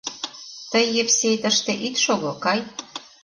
Тый, Евсей, тыште ит шого, кай!